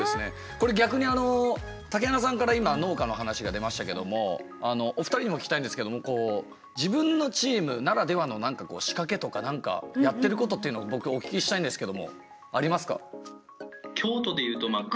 これ逆に竹鼻さんから今農家の話が出ましたけどもお二人にも聞きたいんですけども自分のチームならではの何か仕掛けとか何かやってることっていうのも僕お聞きしたいんですけどもありますか。